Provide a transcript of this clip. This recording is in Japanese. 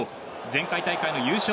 前回大会の優勝